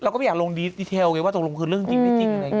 เราก็ไม่อยากลงรายละเอียดว่าตกลงคือเรื่องจริงอะไรอย่างนี้